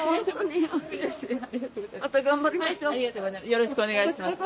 よろしくお願いします。